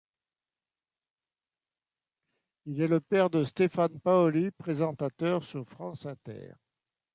Il est le père de Stéphane Paoli, présentateur sur France Inter.